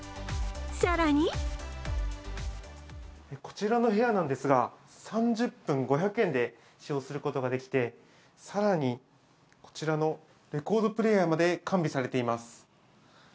更にこちらの部屋なんですが、３０分５００円で、使用することができて更にこちらのレコードプレーヤーまで完備されています。